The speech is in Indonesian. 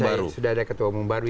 sudah selesai sudah ada ketua umum baru